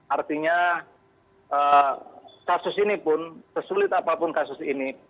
artinya kasus ini pun sesulit apapun kasus ini